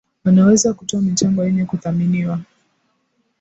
wanaweza kutoa michango yenye kuthaminiwa